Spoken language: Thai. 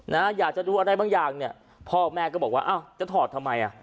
นะอยากจะดูอะไรบางอย่างเนี่ยพ่อแม่ก็บอกว่าอ้าวจะถอดทำไมอ่ะ